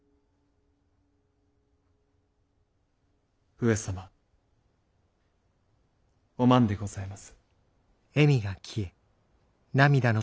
上様お万でございます。